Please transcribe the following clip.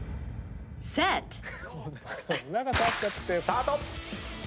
スタート！